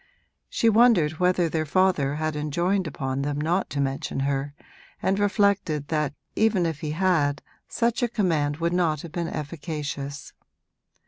She wondered whether their father had enjoined upon them not to mention her, and reflected that even if he had such a command would not have been efficacious.